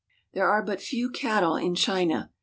There are but few cattle in China.